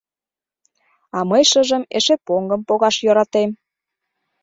А мый шыжым эше поҥгым погаш йӧратем.